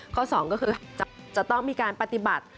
ข้อ๒ก็คือจะต้องมีการปฏิบัติ